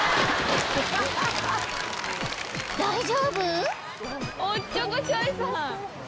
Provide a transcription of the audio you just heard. ［大丈夫？］